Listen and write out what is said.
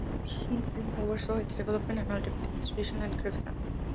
He then oversaw its development and ultimate installation at Gravesend.